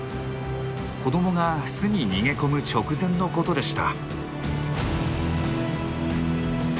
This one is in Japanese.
子どもが巣に逃げ込む直前のことでした。